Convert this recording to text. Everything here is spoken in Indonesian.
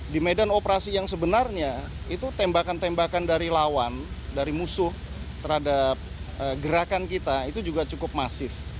di medan operasi yang sebenarnya itu tembakan tembakan dari lawan dari musuh terhadap gerakan kita itu juga cukup masif